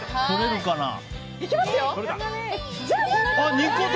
いきますよ！